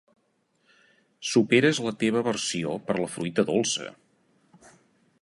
Superes la teva aversió per la fruita dolça.